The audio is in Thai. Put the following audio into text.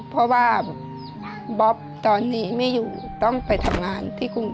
เพราะว่าบ๊อบตอนนี้ไม่อยู่ต้องไปทำงานที่กรุงเทพ